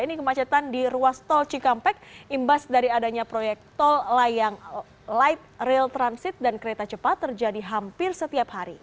ini kemacetan di ruas tol cikampek imbas dari adanya proyek tol layang light rail transit dan kereta cepat terjadi hampir setiap hari